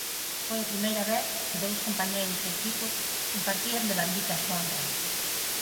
Foi a primeira vez que dous compañeiros de equipo compartían devanditas honras.